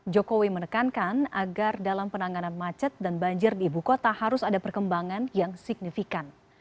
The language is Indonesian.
jokowi menekankan agar dalam penanganan macet dan banjir di ibu kota harus ada perkembangan yang signifikan